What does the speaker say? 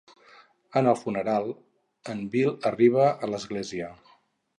En el funeral, en Bill arriba a l'església.